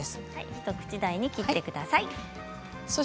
一口大に切ってください。